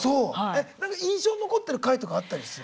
なんか印象に残ってる回とかあったりする？